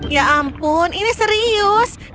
ya ampun ini serius